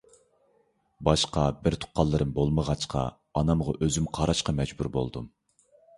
باشقا بىر تۇغقانلىرىم بولمىغاچقا، ئانامغا ئۆزۈم قاراشقا مەجبۇر بولدۇم.